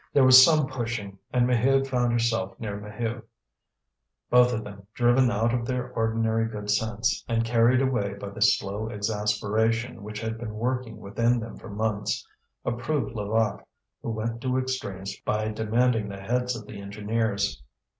There was some pushing, and Maheude found herself near Maheu. Both of them, driven out of their ordinary good sense, and carried away by the slow exasperation which had been working within them for months, approved Levaque, who went to extremes by demanding the heads of the engineers.